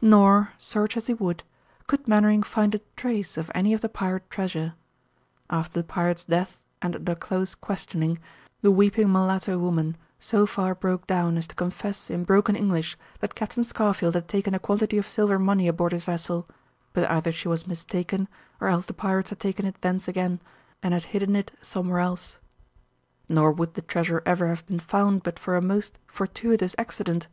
Nor, search as he would, could Mainwaring find a trace of any of the pirate treasure. After the pirate's death and under close questioning, the weeping mulatto woman so far broke down as to confess in broken English that Captain Scarfield had taken a quantity of silver money aboard his vessel, but either she was mistaken or else the pirates had taken it thence again and had hidden it somewhere else. Nor would the treasure ever have been found but for a most fortuitous accident.